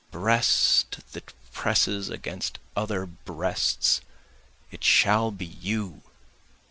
Breast that presses against other breasts it shall be you!